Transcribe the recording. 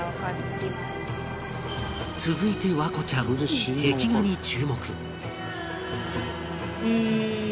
続いて環子ちゃん壁画に注目